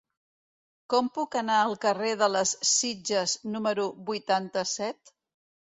Com puc anar al carrer de les Sitges número vuitanta-set?